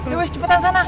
ya wes cepetan sana